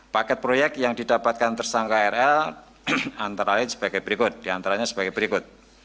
paket proyek yang didapatkan tersangka rl antaranya sebagai berikut